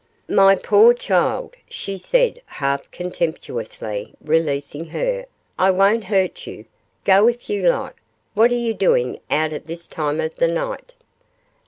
'My poor child,' she said, half contemptuously, releasing her, 'I won't hurt you. Go if you like. What are you doing out at this time of the night?